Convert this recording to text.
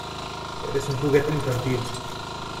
¡ Eres un juguete infantil!